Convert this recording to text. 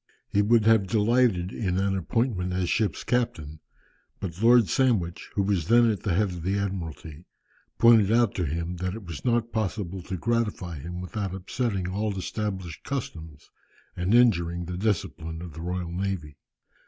He would have delighted in an appointment as ship's captain, but Lord Sandwich, who was then at the head of the Admiralty, pointed out to him, that it was not possible to gratify him without upsetting all established customs, and injuring the discipline of the Royal Navy.